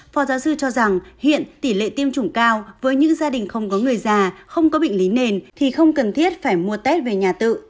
phó giáo sư cho rằng hiện tỷ lệ tiêm chủng cao với những gia đình không có người già không có bệnh lý nền thì không cần thiết phải mua tết về nhà tự